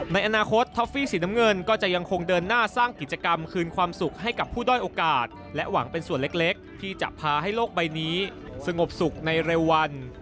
ในอนาคตท็อฟฟี่สีน้ำเงินก็จะยังคงเดินหน้าสร้างกิจกรรมคืนความสุขให้กับผู้ด้อยโอกาสและหวังเป็นส่วนเล็กที่จะพาให้โลกใบนี้สงบสุขในเร็ววัน